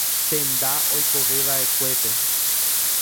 Tenda oikoveva'ekuépe.